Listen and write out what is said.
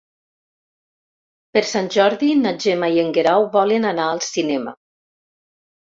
Per Sant Jordi na Gemma i en Guerau volen anar al cinema.